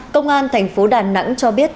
công an thành phố đà nẵng cho biết